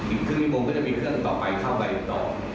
อีกครึ่งชั่วโมงก็จะมีเครื่องต่อไปเข้าไปต่อ